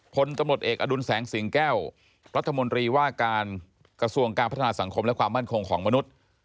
พลตำรวจเอกอดุลแสงสิงแก้วรัฐมนตรีว่าการกระทรวงการพัฒนาสังคมและความมั่นคงของมนุษย์